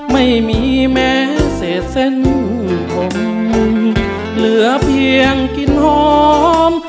ไม่มีแม้เศษเส้นผมเหลือเพียงกลิ่นหอม